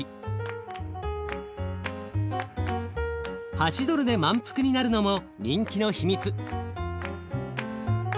８ドルで満腹になるのも人気の秘密。